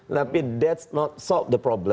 tapi itu tidak menolong masalahnya